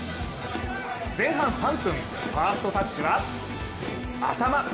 前半３分、ファーストタッチは頭。